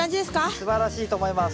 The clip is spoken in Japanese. すばらしいと思います。